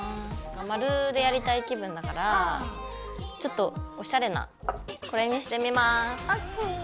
マルでやりたい気分だからちょっとおしゃれなこれにしてみます。